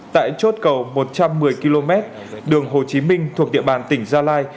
tại chốt cầu một trăm một mươi km đường hồ chí minh thuộc địa bàn tỉnh gia lai